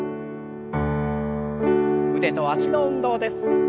腕と脚の運動です。